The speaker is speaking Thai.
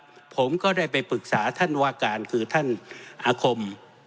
ผมก็ได้ไปปรึกษาท่านวาการคือท่านอาคม